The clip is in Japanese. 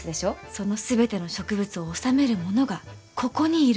その全ての植物を修める者がここにいるんです。